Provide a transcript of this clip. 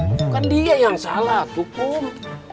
bukan dia yang salah tuh kum